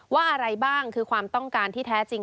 อะไรบ้างคือความต้องการที่แท้จริง